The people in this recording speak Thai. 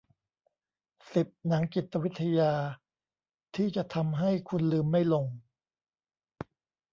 สิบ หนังจิตวิทยา ที่จะทำให้คุณลืมไม่ลง